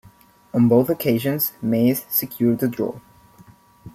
On both occasions Mace secured a draw.